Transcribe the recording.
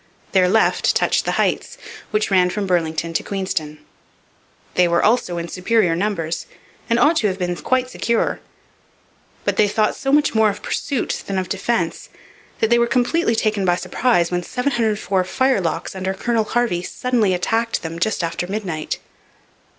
Their left touched the Heights, which ran from Burlington to Queenston. They were also in superior numbers, and ought to have been quite secure. But they thought so much more of pursuit than of defence that they were completely taken by surprise when '704 firelocks' under Colonel Harvey suddenly attacked them just after midnight.